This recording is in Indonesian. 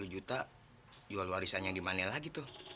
tujuh puluh juta jual warisannya dimana lagi tuh